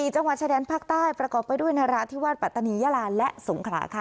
จังหวัดชายแดนภาคใต้ประกอบไปด้วยนราธิวาสปัตตานียาลาและสงขลาค่ะ